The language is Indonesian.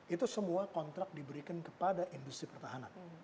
itu semua kontrak diberikan kepada industri pertahanan